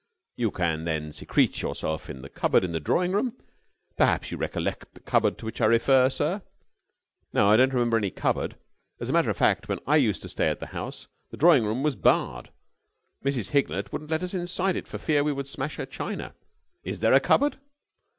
"You can then secrete yourself in the cupboard in the drawing room. Perhaps you recollect the cupboard to which I refer, sir?" "No, I don't remember any cupboard. As a matter of fact, when I used to stay at the house the drawing room was barred.... Mrs. Hignett wouldn't let us inside it for fear we should smash her china. Is there a cupboard?"